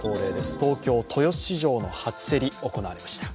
東京・豊洲市場の初競り、行われました。